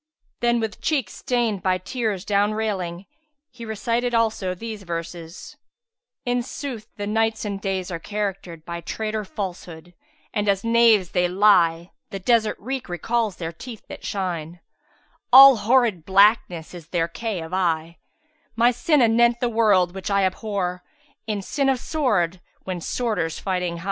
Then, with cheeks stained by tears down railing he recited also these verses, "In sooth the Nights and Days are charactered * By traitor falsehood and as knaves they lie; The Desert reek[FN#370] recalls their teeth that shine; * All horrid blackness is their K of eye: My sin anent the world which I abhor * Is sin of sword when sworders fighting hie."